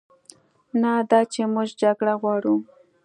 نه دا چې موږ جګړه غواړو،